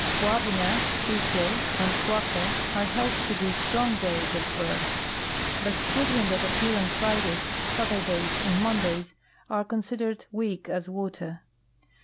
Kwabina (Tuesday) and Kwako are held to be " strong days " of birth ; but children that appear on Fridays, Saturdays, and Monday's are considered " weak as water."